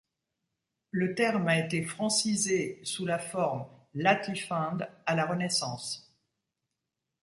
Le terme a été francisé sous la forme latifunde à la Renaissance.